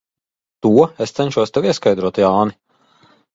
To es cenšos tev ieskaidrot, Jāni.